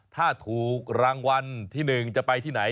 ถ้าถูกรางวัลที่๑จะไปที่ไหน